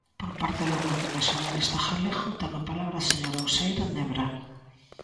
Por parte do Bloque Nacionalista Galego ten a palabra a señora Uceira Nebra.